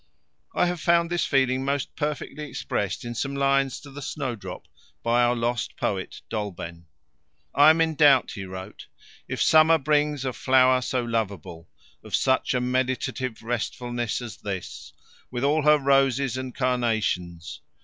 I have found this feeling most perfectly expressed in some lines to the Snowdrop by our lost poet, Dolben. I am in doubt, he wrote, If summer brings a flower so lovable Of such a meditative restfulness As this, with all her roses and carnations.